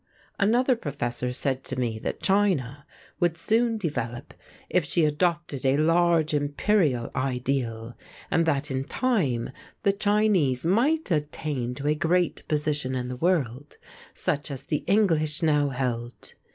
"Another professor said to me that China would soon develop if she adopted a large Imperial ideal, and that in time the Chinese might attain to a great position in the world, such as the English now held.